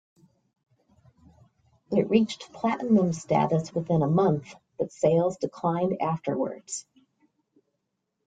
It reached Platinum status within a month, but sales declined afterwards.